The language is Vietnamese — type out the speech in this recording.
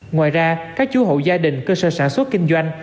ngoài ra các chú hộ gia đình cơ sở sản xuất kinh doanh